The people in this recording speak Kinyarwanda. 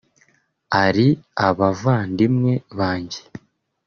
ari abavandimwe banjye